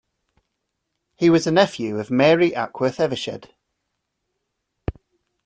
He was a nephew of Mary Ackworth Evershed.